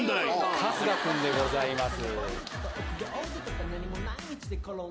春日君でございます。